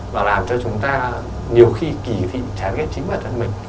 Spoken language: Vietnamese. và làm cho chúng ta nhiều khi kỳ thị trán ghét chính bản thân mình